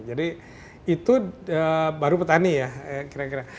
jadi itu baru petani ya kira kira